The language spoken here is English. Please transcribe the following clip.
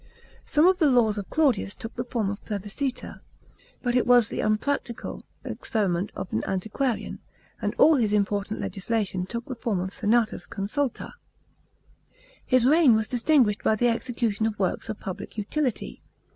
Some of the laws of Claudius took the form of plebiscites. But it was the unpractical experiment i>f an antiquarian,* and all his important legislation took the form of senatusconsulta. § 8. His reign was distinguished by the execution of works of public utility.